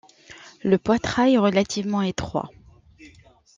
Le poitrail est relativement étroit.